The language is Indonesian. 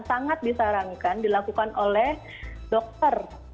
sangat disarankan dilakukan oleh dokter